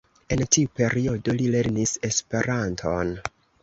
En tiu periodo li lernis Esperanton.